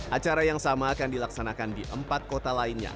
acara yang sama akan dilaksanakan di empat kota lainnya